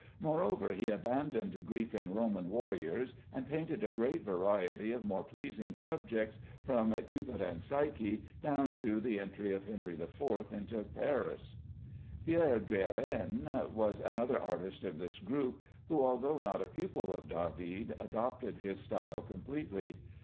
Moreover, he abandoned Greek and Roman warriors, and painted a great variety of more pleasing subjects, from "Cupid and Psyche" down to the "Entry of Henry IV into Paris." Pierre Guérin was another artist of this group, who, although not a pupil of David, adopted his style completely.